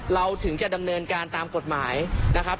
เราถึงจะดำเนินการตามกฎหมายนะครับ